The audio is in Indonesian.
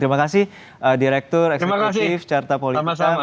terima kasih direktur eksekutif carta polita mas yunus